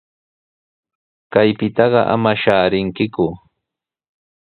Kaypitaqa ama shaarinkiku.